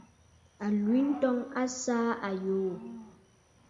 Àlwintɔŋ a saà àyoò.